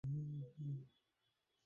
কিন্তু সেরা কথাটা কী, জানো?